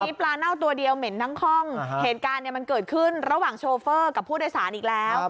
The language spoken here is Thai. นี่ปลาเน่าตัวเดียวเหม็นทั้งคล่องเหตุการณ์เนี่ยมันเกิดขึ้นระหว่างโชเฟอร์กับผู้โดยสารอีกแล้ว